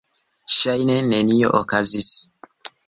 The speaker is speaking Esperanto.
Ŝajne nenio okazis.